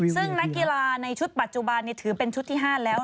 ซึ่งนักกีฬาในชุดปัจจุบันถือเป็นชุดที่๕แล้ว